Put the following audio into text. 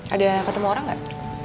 ada ketemu orang nggak